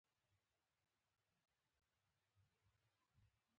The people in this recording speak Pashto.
خوشې خوشې يې مه استيمالوئ.